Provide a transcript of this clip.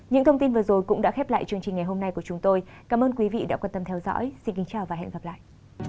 những thông tin vừa rồi cũng đã khép lại chương trình ngày hôm nay của chúng tôi cảm ơn quý vị đã quan tâm theo dõi xin kính chào và hẹn gặp lại